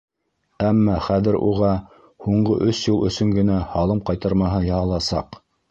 Әммә хәҙер уға һуңғы өс йыл өсөн генә һалым ҡайтармаһы яһаласаҡ.